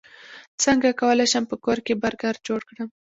څنګه کولی شم په کور کې برګر جوړ کړم